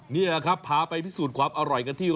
นี่แหละครับพาไปพิสูจน์ความอร่อยกันที่